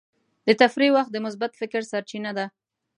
د تفریح وخت د مثبت فکر سرچینه ده.